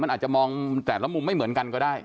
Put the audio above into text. มันอาจจะมองแต่ละมุมไม่เหมือนกันก็ได้